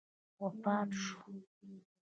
وفات شو.